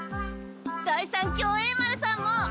第三協栄丸さんも。